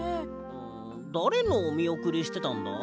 だれのおみおくりしてたんだ？